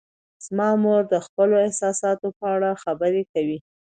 زما مور د خپلو احساساتو په اړه خبرې کوي.